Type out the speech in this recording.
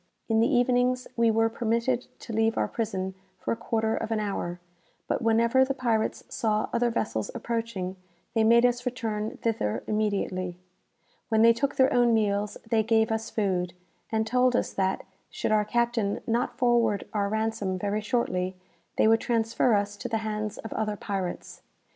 In the evenings we were permitted to leave our prison for a quarter of an hour; but whenever the pirates saw other vessels approaching, they made us return thither immediately. When they took their own meals, they gave us food, and told us that, should our captain not forward our ransom very shortly, they would transfer us to the hands of other pirates.